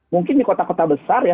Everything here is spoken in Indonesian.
mungkin di kota kota besar ya